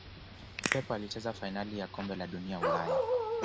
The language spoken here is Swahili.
pep alicheza fainali ya kombe la ulaya